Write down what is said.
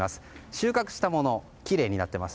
収穫したものはきれいになっています。